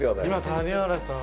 谷原さん！